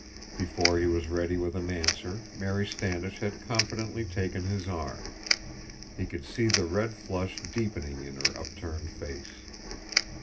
Before he was ready with an answer Mary Standish had confidently taken his arm. He could see the red flush deepening in her upturned face.